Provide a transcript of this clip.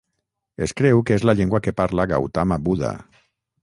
Es creu que és la llengua que parla Gautama Buddha.